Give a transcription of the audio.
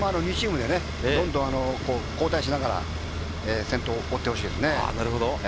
２チームでどんどん交代ながら先頭を追ってほしいですね。